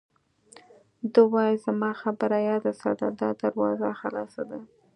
ده وویل: زما خبره یاد ساته، دا دروازه خلاصه ده.